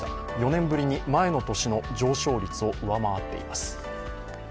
４年ぶりに前の年の上昇率を上回っています。